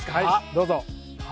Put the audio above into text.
どうぞ。